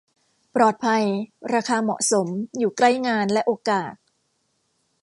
ปลอดภัย ราคาเหมาะสม อยู่ใกล้งานและโอกาส